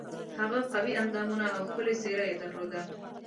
هغه قوي اندامونه او ښکلې څېره یې درلوده.